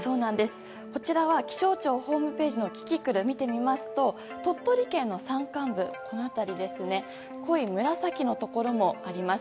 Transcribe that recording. こちらは気象庁ホームページのキキクルを見てみますと鳥取県の山間部濃い紫のところもあります。